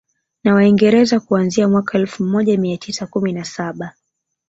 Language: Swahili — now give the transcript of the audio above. Na Waingereza kuanzia mwaka elfu moja mia tisa kumi na saba